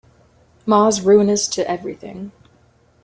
Ma's ruinous to everything.